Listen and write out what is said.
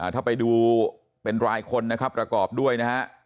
ถ้าไปดูเป็นรายคนนะครับประกอบด้วยนะฮะ